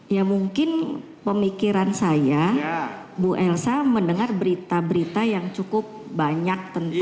ya mungkin pemikiran saya bu elsa mendengar berita berita yang cukup banyak